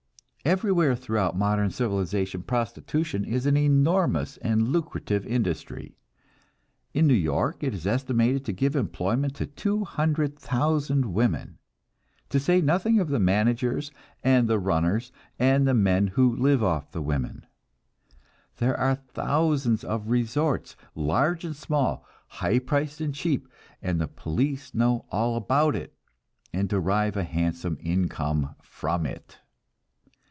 Everywhere throughout modern civilization prostitution is an enormous and lucrative industry. In New York it is estimated to give employment to two hundred thousand women, to say nothing of the managers, and the runners, and the men who live off the women. There are thousands of resorts, large and small, high priced and cheap, and the police know all about it, and derive a handsome income from it.